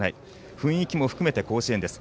雰囲気も含めて甲子園です。